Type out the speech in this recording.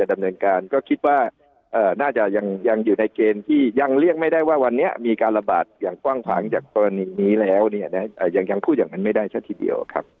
มันไม่ได้เฉพาะทีเดียวครับ